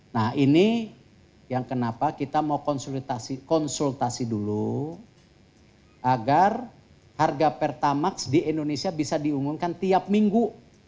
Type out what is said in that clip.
nah ini yang kenapa kita mau konsultasi dulu agar harga pertamax di indonesia bisa diumumkan tiap minggu